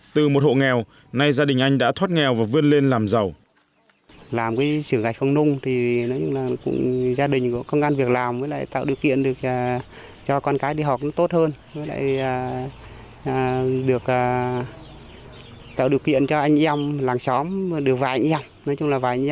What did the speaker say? từ một hộ nghèo nay gia đình anh đã thoát nghèo và vươn lên làm giàu